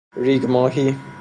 ریگماهی